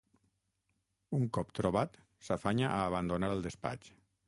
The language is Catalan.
Un cop trobat, s'afanya a abandonar el despatx.